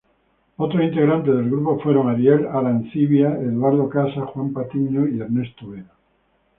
Otros integrantes del grupo fueron Ariel Arancibia, Eduardo Casas, Juan Patiño y Ernesto Vera.